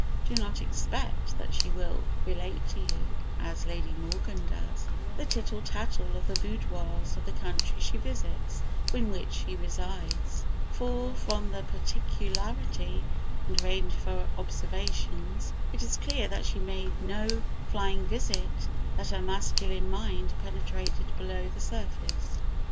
Do not expect that she will relate to you (as Lady Morgan does) the tittle tattle of the boudoirs of the countries she visits or in which she resides; for from the particularity and range of her observations it is clear that she made no flying visit, that her masculine mind penetrated below the surface.